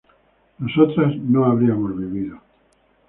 nosotras no habríamos vivido